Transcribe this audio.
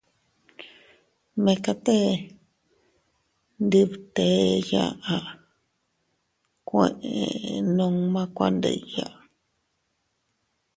Mekatee ndi btee yaʼa kueʼe nunma kuandilla.